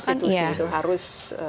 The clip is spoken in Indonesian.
apalagi prostitusi itu harus dijerat ya